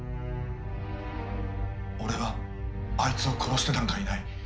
俺はあいつを殺してなんかいない！